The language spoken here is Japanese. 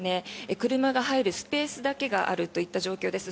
車が入るスペースだけがあるといった状況です。